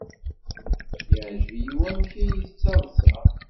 Yeɛjeb-iyi wamek ay tettaḍsa.